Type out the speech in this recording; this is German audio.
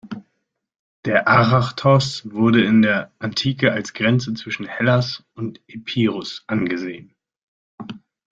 Der Arachthos wurde in der Antike als Grenze zwischen "Hellas" und "Epirus" angesehen.